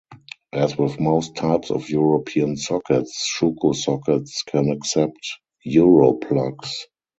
As with most types of European sockets, Schuko sockets can accept Europlugs.